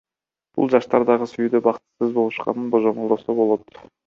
Бул жаштар дагы сүйүүдө бактысыз болушканын божомолдосо болот.